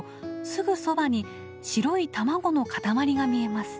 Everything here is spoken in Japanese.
すぐそばに白い卵の塊が見えます。